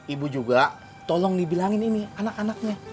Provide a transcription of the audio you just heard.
ibu juga tolong dibilangin ini anak anaknya